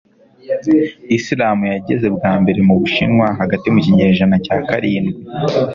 islamu yageze bwa mbere mu bushinwa hagati mu kinyejana cya karindwi